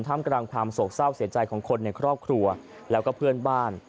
ทำกลางความโศกเศร้าเสียใจของคนในครอบครัวแล้วก็เพื่อนบ้าน